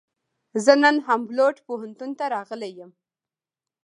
زه نن هامبولټ پوهنتون ته راغلی یم.